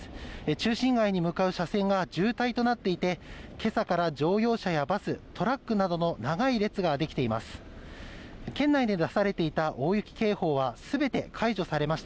中心街に向かう車線が渋滞となっていて今朝から乗用車やバストラックなどの長い列ができています